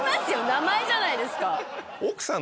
名前じゃないですか。